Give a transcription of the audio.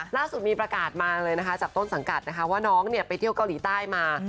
ล่าสุดมีประกาศมาเลยนะคะจากต้นสังกัดนะคะว่าน้องไปเที่ยวเกาหลีใต้มา